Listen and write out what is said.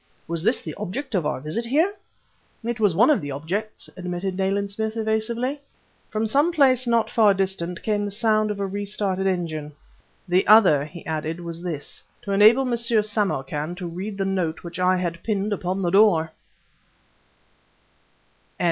"Was this the object of our visit here?" "It was one of the objects," admitted Nayland Smith evasively. From some place not far distant came the sound of a restarted engine. "The other," he added, "was this: to enable M. Samarkan to read the note which I had pinned upon the door!"